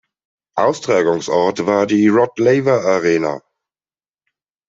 Austragungsort war die Rod Laver Arena.